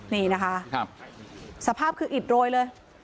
นี่นะคะสภาพคืออิดโรยเลย